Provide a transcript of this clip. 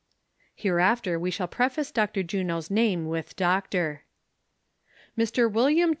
(Hereafter Ave shall preface Victor Juno's name with Doctor. ) "Mr. Wm.